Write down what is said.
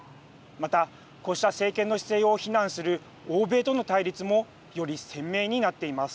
またこうした政権の姿勢を非難する欧米との対立もより鮮明になっています。